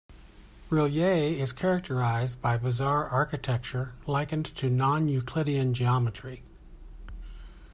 R'lyeh is characterized by bizarre architecture likened to non-Euclidean geometry.